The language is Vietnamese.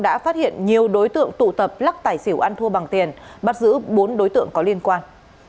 đã phát hiện nhiều đối tượng tụ tập lắc tài xỉu ăn thua bằng tiền bắt giữ bốn đối tượng có liên quan